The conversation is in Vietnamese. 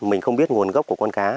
mình không biết nguồn gốc của con cá